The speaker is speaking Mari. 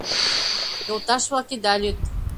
Йолташ-влак, ида лӱд: